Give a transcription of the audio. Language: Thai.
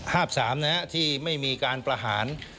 บ๓ที่ไม่มีการประหาร